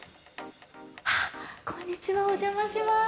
こんにちは、お邪魔してます。